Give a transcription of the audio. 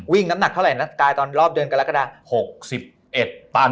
วิ่งน้ำหนักเท่าไรตอนรอบเกินการรักษณ์